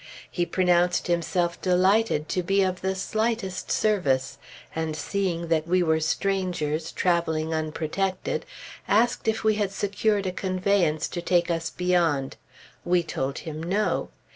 He pronounced himself delighted to be of the slightest service, and seeing that we were strangers, traveling unprotected, asked if we had secured a conveyance to take us beyond. We told him no.